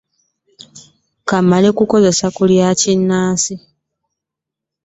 Ka mmale kukozesa ku lya kinnansi.